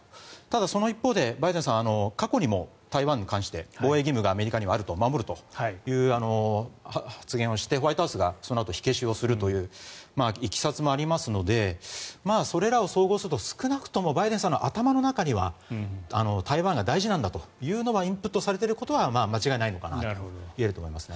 ただ、過去にもバイデンさんは香港の防衛義務がアメリカにある守るという発言をしてホワイトハウスがそのあと火消しをするといういきさつもあるのでそれらを総合すると、少なくともバイデンさんの頭の中には台湾は大事なんだということがインプットされていることは間違いないのかなといえると思います。